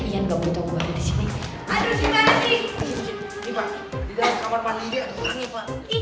iyan gak boleh tahu gue badan di sini